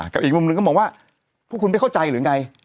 อีกมุมหนึ่งก็มองว่าพวกคุณไม่เข้าใจหรือไง